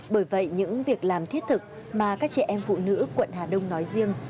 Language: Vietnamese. bởi vậy những việc làm thiết thực mà các trẻ em phụ nữ quận hà đông nói riêng